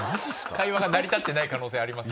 会話が成り立ってない可能性ありますね。